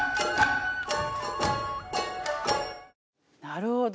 なるほど。